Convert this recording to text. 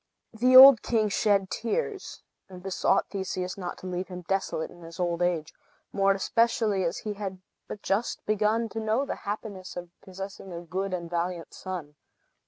The old king shed tears, and besought Theseus not to leave him desolate in his old age, more especially as he had but just begun to know the happiness of possessing a good and valiant son.